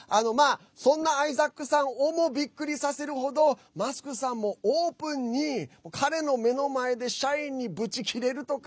そんなアイザックさんをもびっくりさせる程マスクさんもオープンに彼の目の前で社員にブチギレるとか。